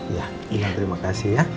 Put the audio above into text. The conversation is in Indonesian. iya terima kasih ya